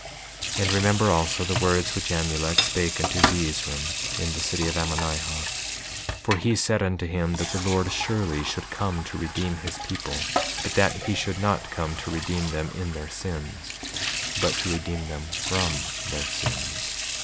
5:10 And remember also the words which Amulek spake unto Zeezrom, in the city of Ammonihah; for he said unto him that the Lord surely should come to redeem his people, but that he should not come to redeem them in their sins, but to redeem them from their sins.